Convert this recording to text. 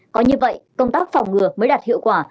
có như vậy công tác phòng ngừa mới đạt hiệu quả